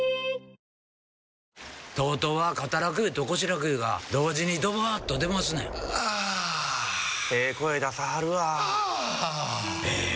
ＴＯＴＯは肩楽湯と腰楽湯が同時にドバーッと出ますねんあええ声出さはるわあええ